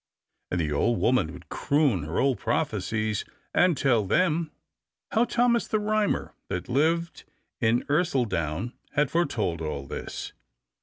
And the old woman would croon her old prophecies, and tell them how Thomas the Rhymer, that lived in Ercildoune, had foretold all this.